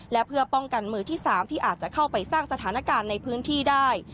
และเพื่อป้องกันมือที่๓ที่อาจจะเข้าไปสร้างสถานการณ์ในพื้นที่ได้